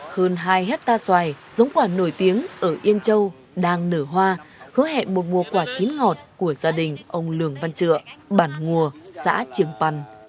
hơn hai hectare xoài giống quả nổi tiếng ở yên châu đang nở hoa hứa hẹn một mùa quả chín ngọt của gia đình ông lường văn trựa bản ngùa xã trường pần